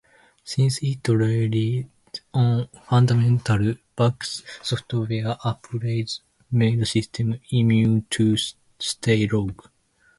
Since it relied on fundamental bugs, software upgrades made systems immune to Staog.